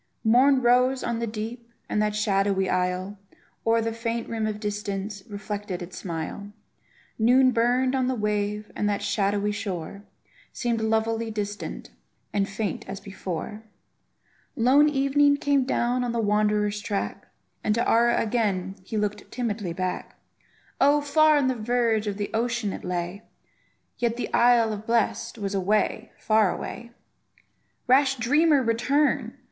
Morn rose on the deep, and that shadowy isle, O'er the faint rim of distance, reflected its smile; Noon burned on the wave, and that shadowy shore Seemed lovelily distant, and faint as before; Lone evening came down on the wanderer's track, And to Ara again he looked timidly back; Oh! far on the verge of the ocean it lay, Yet the isle of the blest was away, far away! Rash dreamer, return!